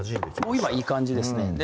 もう今いい感じですね